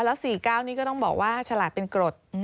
แล้ว๔๙นี่ก็ต้องบอกว่าฉลาดเป็นกรด